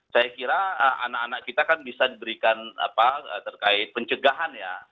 saya kira anak anak kita kan bisa diberikan terkait pencegahan ya